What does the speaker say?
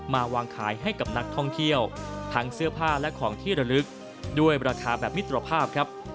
มาวางขายให้กับนักท่องเที่ยวทั้งเสื้อผ้าและของที่ระลึกด้วยราคาแบบมิตรภาพครับ